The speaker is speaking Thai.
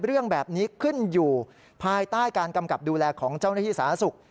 เรื่องแบบนี้ขึ้นอยู่ภายใต้การกำกับดูแลของเจ้าหน้าที่สาธารณสุข